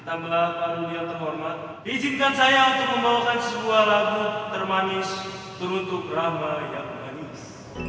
terutama terhormat hizinkan saya untuk membawakan sebuah lagu termanis turutu brahma yang manis